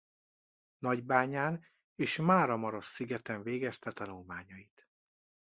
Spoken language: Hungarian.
Nagybányán és Máramarosszigeten végezte tanulmányait.